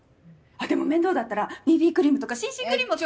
あっでも面倒だったらＢＢクリームとかＣＣクリームを。